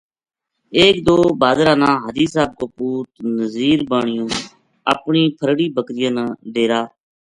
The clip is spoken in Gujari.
ایک دو بھادرا نا حاجی صاحب کو پُوت نزیر نانیو اپنی پھرڑی بکریاں نا ڈیرا